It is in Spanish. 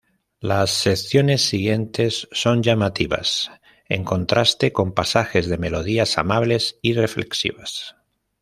Las secciones siguientes son llamativas, en contraste con pasajes de melodías amables y reflexivas.